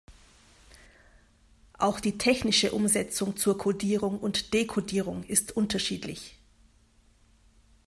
Auch die technische Umsetzung zur Kodierung und Dekodierung ist unterschiedlich.